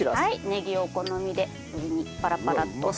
ネギをお好みで上にパラパラと。